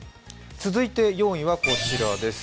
続いて４位はこちらです。